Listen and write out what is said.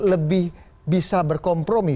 lebih bisa berkompromis